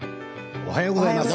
おはようございます。